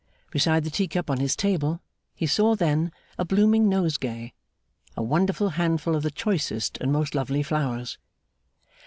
Beside the tea cup on his table he saw, then, a blooming nosegay: a wonderful handful of the choicest and most lovely flowers.